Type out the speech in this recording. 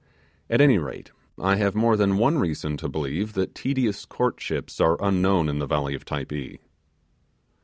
At any rate, I have more than one reason to believe that tedious courtships are unknown in the valley of Typee.